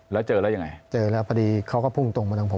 แล้วเจอแล้วยังไงเจอแล้วพอดีเขาก็พุ่งตรงมาทางผม